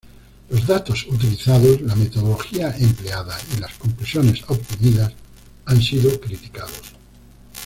Los datos utilizados, la metodología empleada y las conclusiones obtenidas han sido criticados.